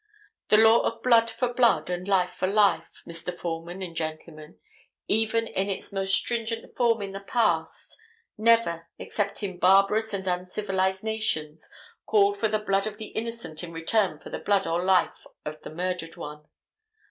The law of blood for blood and life for life, Mr. Foreman and gentlemen, even in its most stringent form in the past, never, except in barbarous and uncivilized nations, called for the blood of the innocent in return for the blood or life of the murdered one.